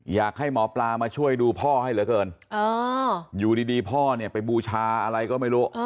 อยากให้หมอปลามาช่วยดูพ่อให้เหลือเกินอยู่ดีพ่อเนี่ยไปบูชาอะไรก็ไม่รู้